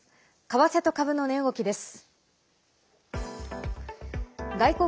為替と株の値動きです。